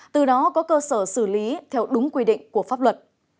từ đó có cơ sở xử lý theo đúng quy định của pháp luật